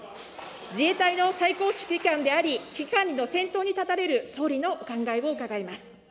自衛隊の最高指揮官であり、危機管理の先頭に立たれる総理のお考えを伺います。